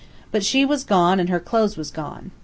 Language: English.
But she was gone, an' her clothes was gone.